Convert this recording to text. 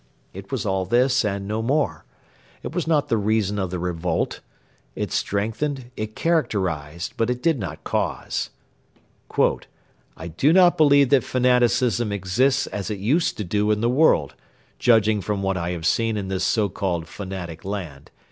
It was all this and no more. It was not the reason of the revolt. It strengthened, it characterised, but it did not cause. ['I do not believe that fanaticism exists as it used to do in the world, judging from what I have seen in this so called fanatic land.